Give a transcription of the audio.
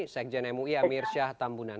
sekjen mui amir syah tambunan